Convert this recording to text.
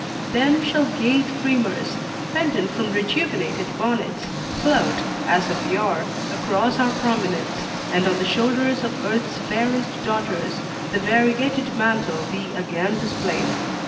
Then shall gay streamers, pendent from rejuvenated bonnets, float, as of yore, across our promenades, and on the shoulders of Earth's fairest daughters the variegated mantle be again displayed.